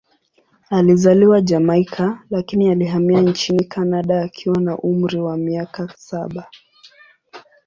Alizaliwa Jamaika, lakini alihamia nchini Kanada akiwa na umri wa miaka saba.